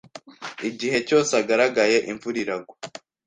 Igihe cyose agaragaye, imvura iragwa.